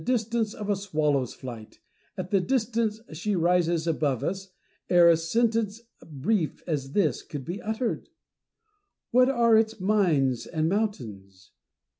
distance of a swallow's flight, — at the distance she rises above us, ere a sentence brief as this could be uttered. What are its mines and mountains